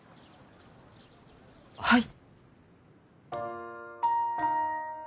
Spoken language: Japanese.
はい。